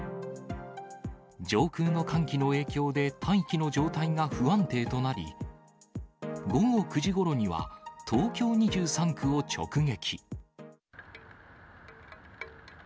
上空の寒気の影響で、大気の状態が不安定となり、午後９時ごろには東京２３区を直撃。